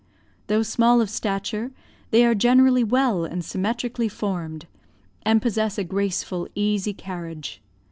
Though small of stature, they are generally well and symmetrically formed, and possess a graceful, easy carriage.